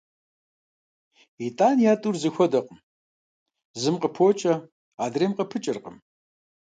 Итӏани а тӏур зэхуэдэкъым: зым къыпокӏэ, адрейм къыпыкӏэркъым.